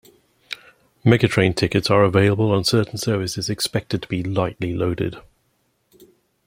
Megatrain tickets are available on certain services expected to be lightly loaded.